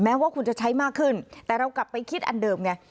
ว่าคุณจะใช้มากขึ้นแต่เรากลับไปคิดอันเดิมไง